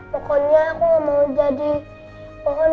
pokoknya aku mau jadi pohon